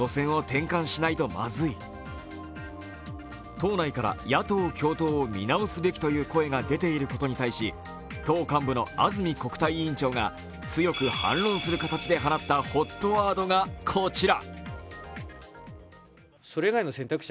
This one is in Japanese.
党内から野党共闘を見直すべきという声が出ていることに対し、党幹部の安住国対委員長が強く反論する形で放ったＨＯＴワードこちら。